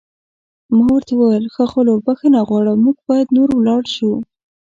ما ورته وویل: ښاغلو، بښنه غواړم موږ باید نور ولاړ شو.